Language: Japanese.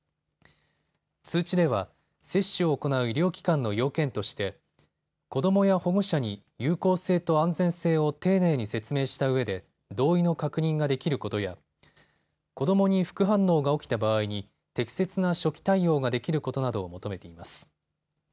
通知では接種を行う医療機関の要件として子どもや保護者に有効性と安全性を丁寧に説明したうえで同意の確認ができることや子どもに副反応が起きた場合に適切な初期対応ができることなどを求めています。